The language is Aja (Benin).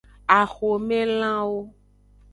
Axomelanwo.